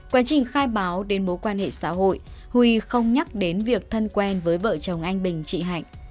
quá trình khai báo đến mối quan hệ xã hội huy không nhắc đến việc thân quen với vợ chồng anh bình chị hạnh